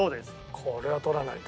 これは取らないと。